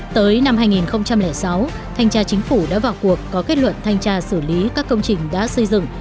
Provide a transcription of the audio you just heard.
tới năm hai nghìn sáu thanh tra chính phủ đã vào cuộc có kết luận thanh tra xử lý các công trình đã xây dựng